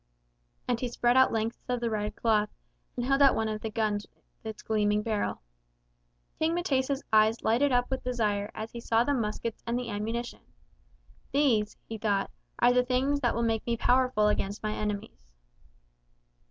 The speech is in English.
And he spread out lengths of the red cloth, and held out one of the guns with its gleaming barrel. King M'tesa's eyes lighted up with desire as he saw the muskets and the ammunition. These, he thought, are the things that will make me powerful against my enemies.